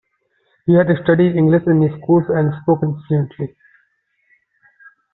He had studied English in school and spoke it fluently.